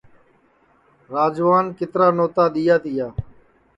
راجوان کِترا نوتا دؔیا تیا